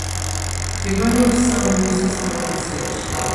მდებარეობს სან-ლუისის პროვინციაში.